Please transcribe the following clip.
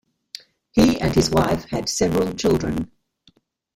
He and his wife had several children.